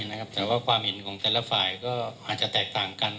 แต่ว่าความเห็นของแต่ละฝ่ายก็อาจจะแตกต่างกัน